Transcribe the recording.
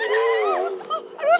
hah aduh aduh